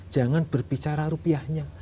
jangan berbicara rupiahnya